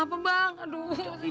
aduh bangun dong ra